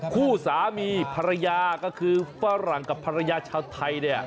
คู่สามีภรรยาก็คือฝรั่งกับภรรยาชาวไทยเนี่ย